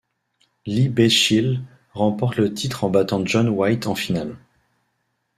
Lee Beachill remporte le titre en battant John White en finale.